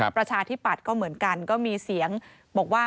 ประชาธิปัตย์ก็เหมือนกันก็มีเสียงบอกว่า